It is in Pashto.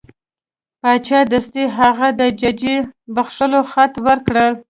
باچا دستي هغه د ججې بخښلو خط ورکړ.